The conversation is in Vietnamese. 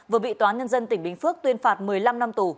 vừa bị tòa nhân dân tỉnh bình phước tuyên phạt một mươi năm năm tù